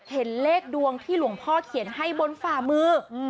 เห็นเลขดวงที่หลวงพ่อเขียนให้บนฝ่ามือ